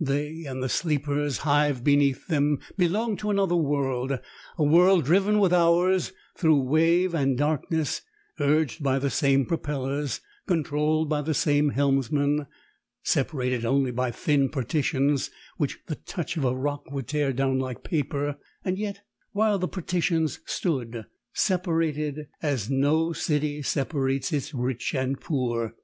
They and the sleepers hived beneath them belonged to another world a world driven with ours through wave and darkness, urged by the same propellers, controlled by the same helmsman, separated only by thin partitions which the touch of a rock would tear down like paper; yet, while the partitions stood, separated as no city separates its rich and poor.